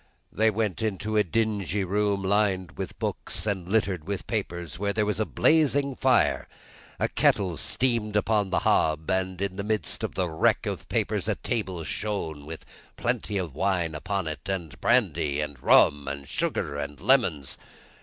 They went into a dingy room lined with books and littered with papers, where there was a blazing fire. A kettle steamed upon the hob, and in the midst of the wreck of papers a table shone, with plenty of wine upon it, and brandy, and rum, and sugar, and lemons.